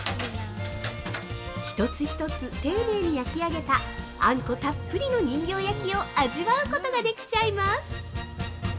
一つ一つ丁寧に焼き上げた、あんこたっぷりの人形焼を味わうことができちゃいます！